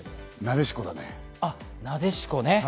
なでしこだね。